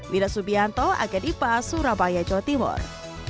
wira subianto agadipa surabaya jawa timur